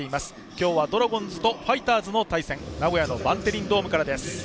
今日はドラゴンズとファイターズの対戦名古屋のバンテリンドームからです。